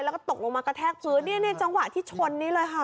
แล้วก็ตกลงมากระแทกพื้นเนี่ยจังหวะที่ชนนี้เลยค่ะ